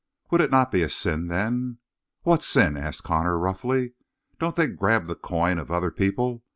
"Would it not be a sin, then?" "What sin?" asked Connor roughly. "Don't they grab the coin of other people?